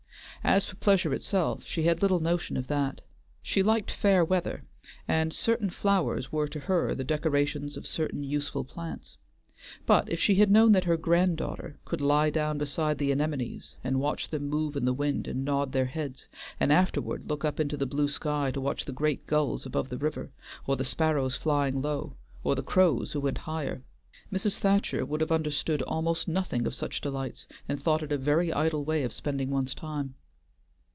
As for pleasure itself she had little notion of that. She liked fair weather, and certain flowers were to her the decorations of certain useful plants, but if she had known that her grand daughter could lie down beside the anemones and watch them move in the wind and nod their heads, and afterward look up into the blue sky to watch the great gulls above the river, or the sparrows flying low, or the crows who went higher, Mrs. Thacher would have understood almost nothing of such delights, and thought it a very idle way of spending one's time.